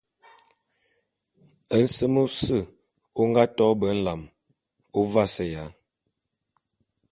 Nsem ôse ô nga to be nlam ô vaseya.